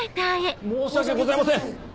申し訳ございません！